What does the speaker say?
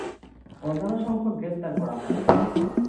অজানা সংখ্যক গ্রেফতার করা হয়।